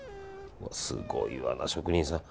すごいわ、職人さん。